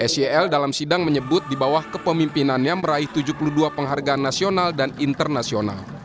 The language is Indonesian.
sel dalam sidang menyebut di bawah kepemimpinannya meraih tujuh puluh dua penghargaan nasional dan internasional